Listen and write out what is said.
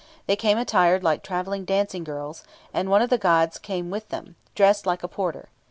They came attired like travelling dancing girls; and one of the gods came with them, dressed like a porter.